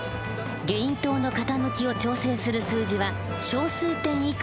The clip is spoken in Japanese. ゲイン塔の傾きを調整する数字は小数点以下３桁。